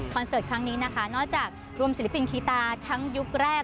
เสิร์ตครั้งนี้นะคะนอกจากรวมศิลปินคีตาทั้งยุคแรก